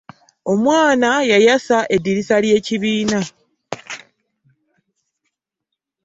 Omwana yayasa eddirisa lye kibiina.